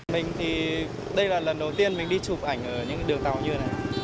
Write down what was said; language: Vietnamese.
mình thì đây là lần đầu tiên mình đi chụp ảnh ở những đường tàu như thế này